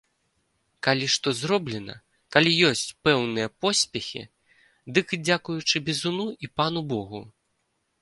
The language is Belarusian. Калі што зроблена, калі ёсць пэўныя поспехі, дык дзякуючы бізуну і пану богу.